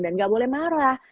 dan gak boleh marah